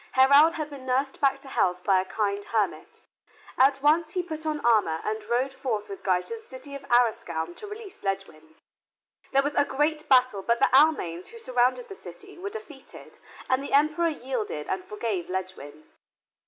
Heraud had been nursed back to health by a kind hermit. At once he put on armor and rode forth with Guy to the city of Arrascoun to release Ledgwin. There was a great battle but the Almains who surrounded the city were defeated and the Emperor yielded and forgave Ledgwin.